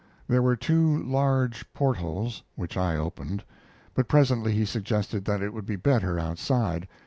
There were two large port holes, which I opened; but presently he suggested that it would be better outside.